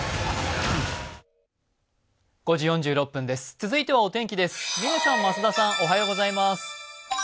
続いてはお天気です。